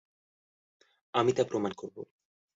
আমি তা প্রমাণ করব।